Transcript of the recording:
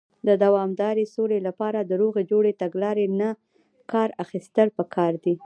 د دوامدارې سولې لپاره، د روغې جوړې تګلارې نۀ کار اخيستل پکار دی.